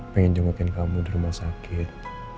pengen jumatin kamu di rumah sakit